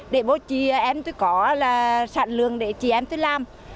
để bố chị em tôi có sản lượng để chị em tôi làm